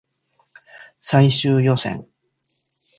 最終予選